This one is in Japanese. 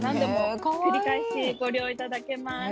繰り返しご利用いただけます。